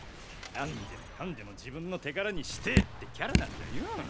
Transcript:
何でもかんでも自分の手柄にしてぇってキャラなんだよ。